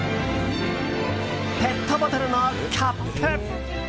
ペットボトルのキャップ！